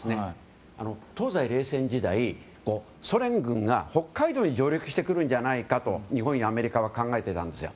東西冷戦時代ソ連軍が北海道に上陸してくるんじゃないかと日本やアメリカは考えていたんです。